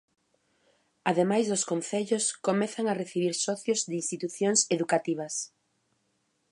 Ademais dos concellos, comezan a recibir socios de institucións educativas.